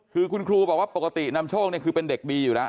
คือคุณครูบอกว่าปกติน้ำโชกคือเป็นเด็กบีอยู่นะ